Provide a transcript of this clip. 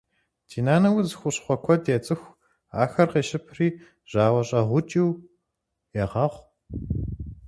Ди нанэ удз хущхъуэ куэд ецӏыху. Ахэр къещыпри жьауэщӏэгъукӏыу егъэгъу.